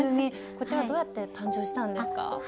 こちらどうやって誕生したんですか？